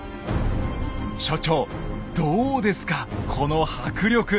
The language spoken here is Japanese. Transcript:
所長どうですかこの迫力！